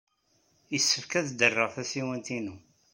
Yessefk ad d-rreɣ tasiwant-inu.